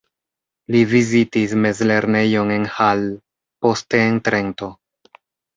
Li vizitis mezlernejon en Hall, poste en Trento.